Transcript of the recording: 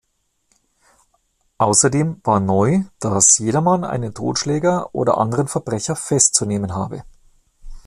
Außerdem war neu, dass jedermann einen Totschläger oder anderen Verbrecher festzunehmen habe.